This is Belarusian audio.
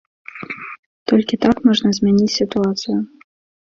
Толькі так можна змяніць сітуацыю.